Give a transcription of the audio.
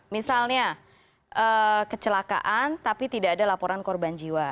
misalnya kecelakaan tapi tidak ada laporan korban jiwa